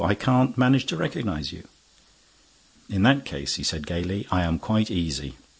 I can't manage to recognize you." "In that case," he said, gaily, "I am quite easy.